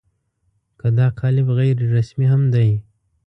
که دا لقب غیر رسمي هم دی.